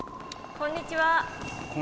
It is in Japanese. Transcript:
こんにちは。